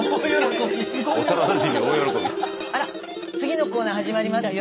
あら次のコーナー始まりますよ。